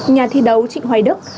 nhà thi đấu trịnh hoài đức